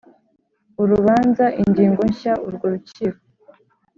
urubanza ingingo nshya urwo Rukiko